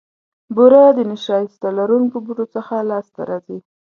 بوره د نیشاسته لرونکو بوټو څخه لاسته راځي.